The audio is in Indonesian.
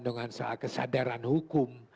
dengan soal kesadaran hukum